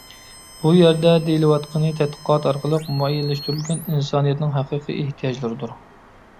بۇ يەردە دېيىلىۋاتقىنى تەتقىقات ئارقىلىق مۇئەييەنلەشتۈرۈلگەن ئىنسانىيەتنىڭ ھەقىقىي ئېھتىياجلىرىدۇر.